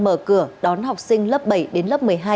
mở cửa đón học sinh lớp bảy đến lớp một mươi hai